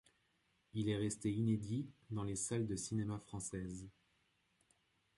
Il est resté inédit dans les salles de cinéma françaises.